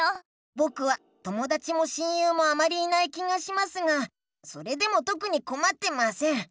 ぼくはともだちも親友もあまりいない気がしますがそれでもとくにこまってません。